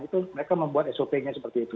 itu mereka membuat sop nya seperti itu